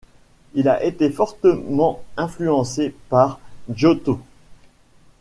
Il a été fortement influencé par Giotto.